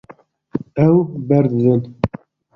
Ew berdidin.